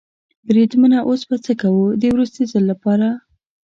بریدمنه اوس به څه کوو؟ د وروستي ځل لپاره.